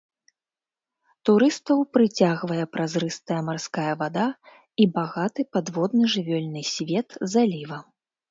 Турыстаў прыцягвае празрыстая марская вада і багаты падводны жывёльны свет заліва.